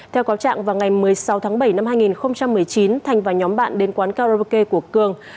theo cáo trạng vào ngày một mươi sáu tháng bảy năm hai nghìn một mươi chín thành và nhóm bạn đến quán karaoke của cường